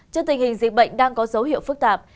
trước tình hình dịch bệnh đang có dấu hiệu phức tạp